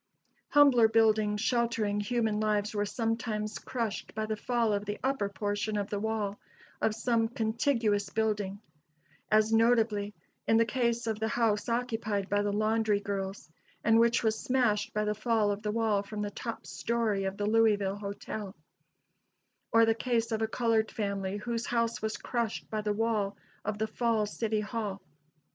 Humbler buildings sheltering human lives were sometimes crushed by the fall of the upper portion of the wall of some contiguous building; as notably, in the case of the house occupied by the laundry girls, and which was smashed by the fall of the wall from the top story of the Louisville Hotel; or the case of a colored family whose house was crushed by the wall of the Falls City Hall.